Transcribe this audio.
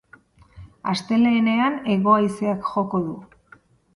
Astelehenean hego-haizeak joko du.